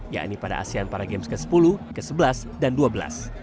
yakni pada asean para games ke sepuluh ke sebelas dan ke dua belas